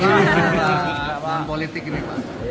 dalam politik ini pak